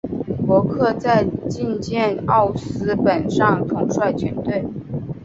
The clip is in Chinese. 伯克在旗舰奥斯本上统帅全队。